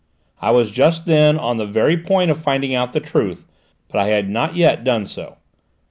I was just then on the very point of finding out the truth, but I had not yet done so.